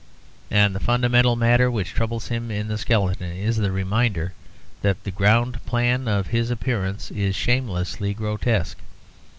And the fundamental matter which troubles him in the skeleton is the reminder that the ground plan of his appearance is shamelessly grotesque.